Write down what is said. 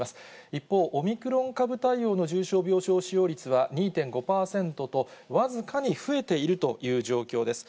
一方、オミクロン株対応の重症病床使用率は、２．５％と僅かに増えているという状況です。